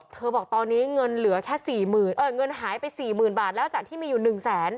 เธอบอกตอนนี้เงินหายไป๔๐๐๐๐บาทแล้วจากที่มีอยู่๑แสน